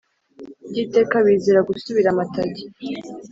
byiteka bizira gusubira amatage: